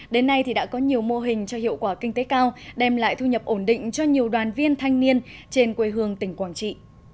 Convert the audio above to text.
đến nay đã có nhiều mô hình cho hiệu quả kinh tế cao đem lại thu nhập ổn định cho nhiều đoàn viên thanh niên trên quê hương tỉnh quảng trị